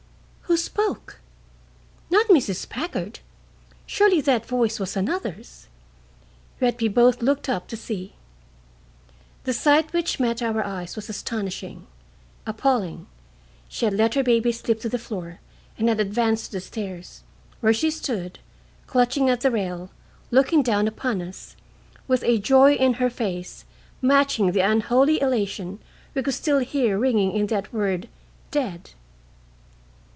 Who spoke? Not Mrs. Packard! Surely that voice was another's. Yet we both looked up to see: The sight which met our eyes was astonishing, appalling. She had let her baby slip to the floor and had advanced to the stairs, where she stood, clutching at the rail, looking down upon us, with a joy in her face matching the unholy elation we could still hear ringing in that word "dead."